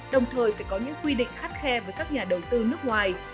đồng thời phải có những quy định khắt khe với các nhà đầu tư nước ngoài